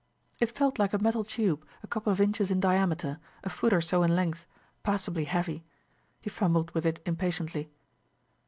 It felt like a metal tube a couple of inches in diameter, a foot or so in length, passably heavy. He fumbled with it impatiently.